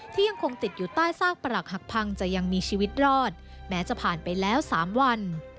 ยังคงติดอยู่ใต้ซากปรักหักพังจะยังมีชีวิตรอดแม้จะผ่านไปแล้ว๓วัน